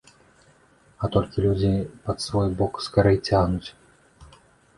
А толькі людзі пад свой бок скарэй цягнуць.